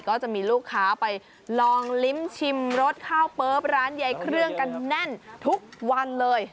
ก็จะมีลูกค้าไปลองลิ้มชิมรสข้าวเปิ๊บร้านใยเครื่องกันแน่นทุกวันเลย